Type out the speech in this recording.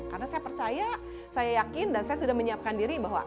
karena saya percaya saya yakin dan saya sudah menyiapkan diri bahwa